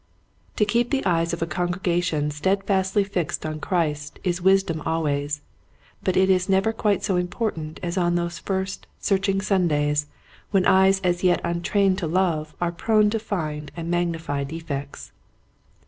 To keep the eyes of a con gregation steadfastly fixed on Christ is wisdom always, but it is never quite so important as on those first searching Sundays when eyes as yet untrained to love are prone to find and magnify defects.